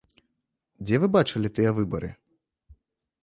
Дзе вы бачылі тыя выбары?